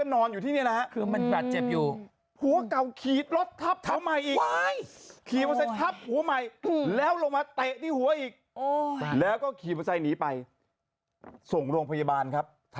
นิดหนึ่งเหมือนนี้แล้วท้องก็เปล่า